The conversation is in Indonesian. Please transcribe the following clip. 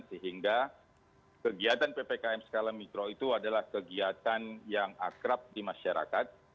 sehingga kegiatan ppkm skala mikro itu adalah kegiatan yang akrab di masyarakat